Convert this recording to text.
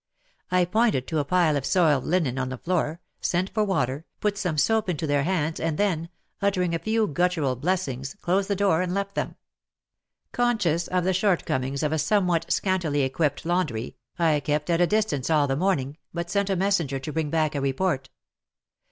I pointed to a pile of soiled linen on the floor, sent for water, put some soap into WAR AND WOMEN 163 their hands and then, uttering a few guttural blessings, closed the door and left them. Con scious of the shortcomings of a somewhat scantily equipped laundry, I kept at a distance all the morning, but sent a messenger to bring back a report.